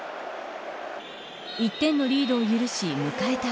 １点のリードを許し迎えた